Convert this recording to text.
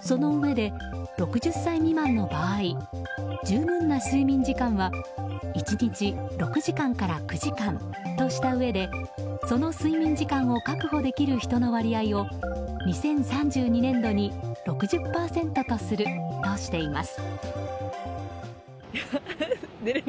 そのうえで、６０歳未満の場合十分な睡眠時間は１日６時間から９時間としたうえでその睡眠時間を確保できる人の割合を２０３２年度に６０％とするとしています。